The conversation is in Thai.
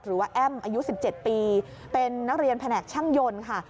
แอ้มอายุ๑๗ปีเป็นนักเรียนแผนกช่างยนต์ค่ะ